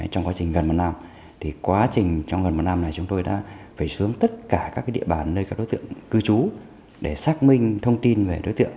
trong quá trình gần một năm chúng tôi đã phải xuống tất cả các địa bàn nơi các đối tượng cư trú để xác minh thông tin về đối tượng